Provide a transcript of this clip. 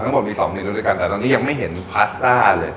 ทั้งหมดมี๒เมนูด้วยกันแต่ตอนนี้ยังไม่เห็นพาสต้าเลย